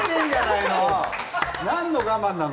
何の我慢なの？